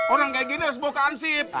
orang kayak gini harus bawa ke ansip